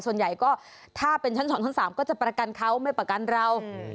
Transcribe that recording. ส่วนใหญ่ก็ถ้าเป็นชั้น๒ชั้น๓ก็จะประกันเขาไม่ประกันเรา